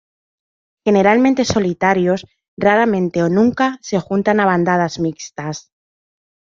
Generalmente solitarios, raramente o nunca se juntan a bandadas mixtas.